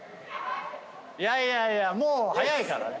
いやいやいやもう早いからね。